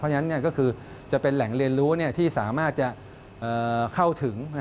เพราะฉะนั้นก็คือจะเป็นแหล่งเรียนรู้ที่สามารถจะเข้าถึง